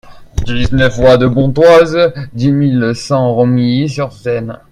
dix-neuf voie de Pontoise, dix mille cent Romilly-sur-Seine